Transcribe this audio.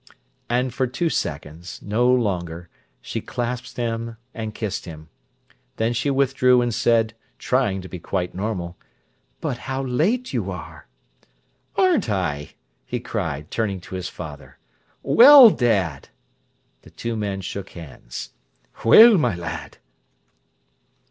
And for two seconds, no longer, she clasped him and kissed him. Then she withdrew and said, trying to be quite normal: "But how late you are!" "Aren't I!" he cried, turning to his father. "Well, dad!" The two men shook hands. "Well, my lad!"